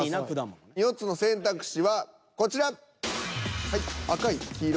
４つの選択肢はこちら。